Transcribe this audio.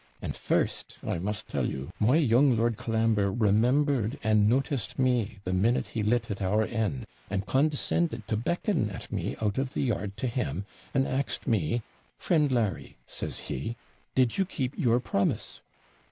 And first, I must tell you, my young Lord Colambre remembered and noticed me the minute he lit at our inn, and condescended to beckon at me out of the yard to him, and axed me 'Friend Larry,' says he, 'did you keep your promise?'